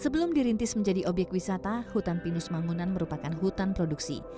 sebelum dirintis menjadi obyek wisata hutan pinus mangunan merupakan hutan produksi